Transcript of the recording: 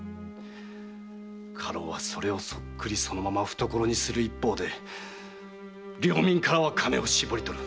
家老はそれをそっくりそのまま懐にする一方で領民からは金を搾り取る！